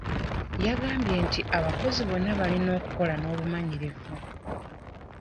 Yagambye nti abakozi bonna balina okukola n'obumalirivu.